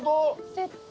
セット。